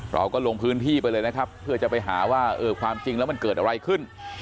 เราก็ลงพื้นที่ไปเลยนะครับเพื่อจะไปหาว่าเออความจริงแล้วมันเกิดอะไรขึ้น